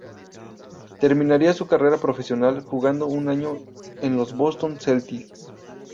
Terminaría su carrera profesional jugando un año en los Boston Celtics.